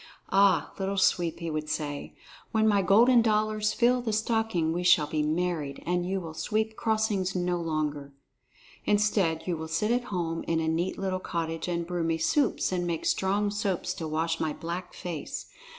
"Ah, Little Sweep," he would say, "when my golden dollars fill the stocking, we shall be married, and you will sweep crossings no longer. Instead, you will sit at home in a neat little cottage and brew me soups and make strong soaps to wash my black face.